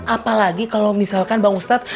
apalagi kalau misalkan bang ustadz